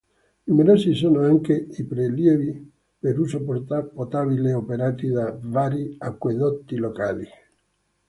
Numerosi sono anche i prelievi per uso potabile operati da vari acquedotti locali.